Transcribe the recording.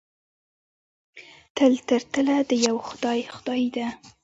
تل تر تله د یوه خدای خدایي ده.